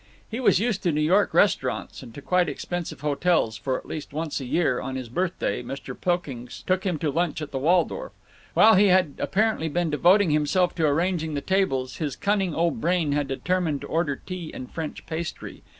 He was used to New York restaurants, and to quite expensive hotels, for at least once a year, on his birthday, Mr. Pilkings took him to lunch at the Waldorf. While he had apparently been devoting himself to arranging the tables his cunning old brain had determined to order tea and French pastry.